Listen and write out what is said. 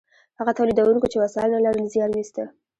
هغو تولیدونکو چې وسایل نه لرل زیار ویسته.